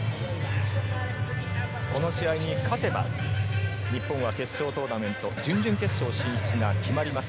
この試合に勝てば、日本は決勝トーナメント準々決勝進出が決まります。